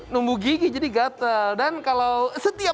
numbuh gigi jadi gatal dan kalau setiap